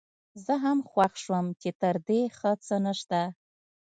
زه هم خوښ شوم چې تر دې ښه څه نشته.